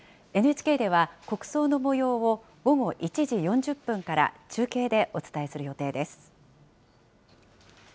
ＮＨＫでは、国葬のもようを午後１時４０分から、中継でお伝えする予定です。